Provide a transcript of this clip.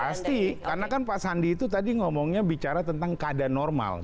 pasti karena kan pak sandi itu tadi ngomongnya bicara tentang keadaan normal